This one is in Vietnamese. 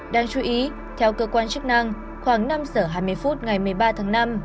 đáng chú ý theo cơ quan chức năng khoảng năm giờ hai mươi phút ngày một mươi ba tháng năm